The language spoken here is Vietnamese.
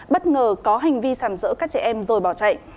bất ngờ có hành vi sảm rỡ các trẻ em rồi bỏ chạy